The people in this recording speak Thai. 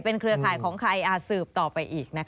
เครือข่ายของใครสืบต่อไปอีกนะคะ